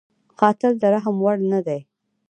قاتل د رحم وړ نه دی